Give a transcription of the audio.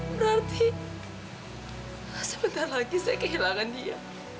berarti sebentar lagi saya kehilangan dia